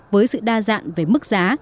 với sự đa dạng về mức giá